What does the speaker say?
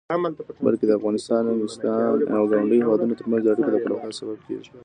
بلکې د افغانستان او ګاونډيو هيوادونو ترمنځ د اړيکو د پراختيا سبب کيږي.